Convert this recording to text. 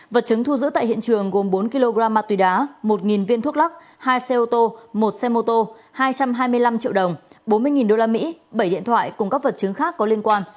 vật chứng thu giữ tại hiện trường gồm bốn kg ma túy đá một viên thuốc lắc hai xe ô tô một xe mô tô hai trăm hai mươi năm triệu đồng bốn mươi usd bảy điện thoại cùng các vật chứng khác có liên quan